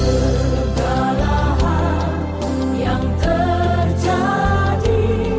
dalam segala hal yang terjadi